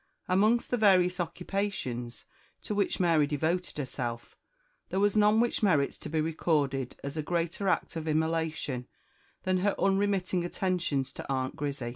AMONGST the various occupations to which Mary devoted herself, there was none which merits to be recorded as a greater act of immolation than her unremitting attentions to Aunt Grizzy.